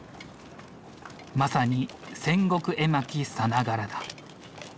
まさに戦国絵巻さながらだ。